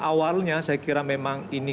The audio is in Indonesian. awalnya saya kira memang ini